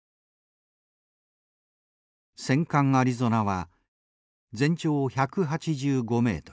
戦艦アリゾナは全長１８５ｍ。